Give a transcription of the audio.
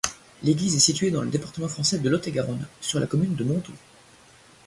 L'église est située dans le département français de Lot-et-Garonne, sur la commune de Montaut.